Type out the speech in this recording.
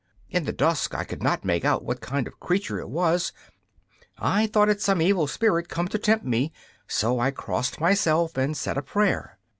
In the dusk I could not make out what kind of creature it was; I thought it some evil spirit come to tempt me; so I crossed myself and said a prayer.